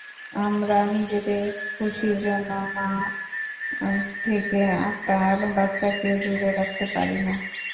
আমরা নিজেদের খুশীর জন্যে মা থেকে তার বাচ্চাকে দূরে রাখতে পারি না।